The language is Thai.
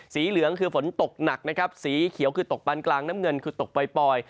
เหลืองคือฝนตกหนักนะครับสีเขียวคือตกปานกลางน้ำเงินคือตกปล่อย